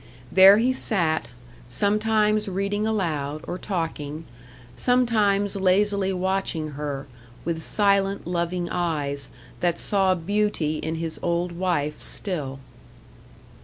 There he sat, sometimes reading aloud, or talking; sometimes lazily watching her, with silent, loving eyes, that saw beauty in his old wife still.